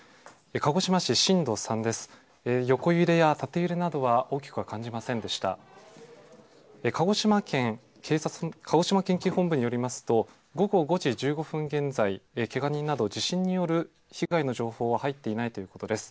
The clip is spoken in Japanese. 鹿児島県警本部によりますと、午後５時１５分現在、けが人など、地震による被害の情報は入っていないということです。